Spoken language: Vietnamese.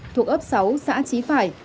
thuộc ấp sáu xã chí phải